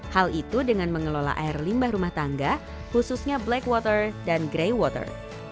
hal itu dengan mengelola air limbah rumah tangga khususnya black water dan gray water